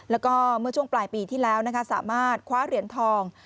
แล้วก็เมื่อช่วงปลายปีที่แล้วนะคะสามารถคว้าเหรียญทอง